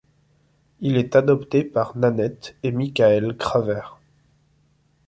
Il est adopté par Nanette et Michael Craver.